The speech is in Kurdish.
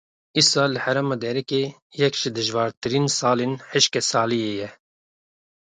Îsal li herêma Dêrikê yek ji dijwartirîn salên hişkesaliyê ye.